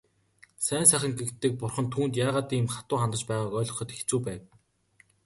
Сайн сайхан гэгддэг бурхан түүнд яагаад ийм хатуу хандаж байгааг ойлгоход хэцүү байв.